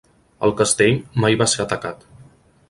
El castell mai va ser atacat.